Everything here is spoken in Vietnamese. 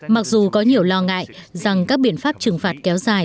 mặc dù có nhiều lo ngại rằng các biện pháp trừng phạt kéo dài